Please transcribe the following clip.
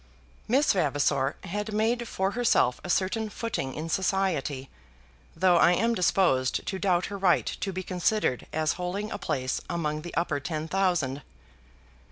Miss Vavasor had made for herself a certain footing in society, though I am disposed to doubt her right to be considered as holding a place among the Upper Ten Thousand.